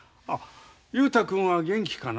雄太君は元気かな？